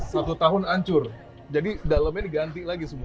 satu tahun ancur jadi dalemnya diganti lagi semua